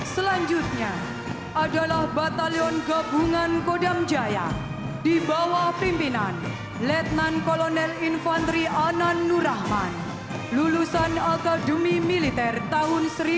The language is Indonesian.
ketiga batalion lieutenant colonel infantri anan nurahman lulusan akademi militer tahun seribu sembilan ratus sembilan puluh delapan